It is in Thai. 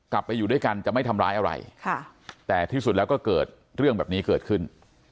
ไปอยู่ด้วยกันจะไม่ทำร้ายอะไรแต่ที่สุดแล้วก็เกิดเรื่องแบบนี้เกิดขึ้น